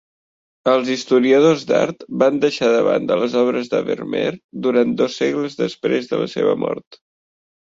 Els historiadors d'art van deixar de banda les obres de Vermeer durant dos segles després de la seva mort